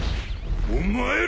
お前ら！